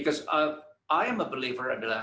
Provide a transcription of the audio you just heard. karena saya adalah pembeli